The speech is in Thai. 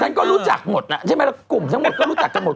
ฉันก็รู้จักหมดน่ะใช่ไหมแล้วกลุ่มทั้งหมดก็รู้จักกันหมด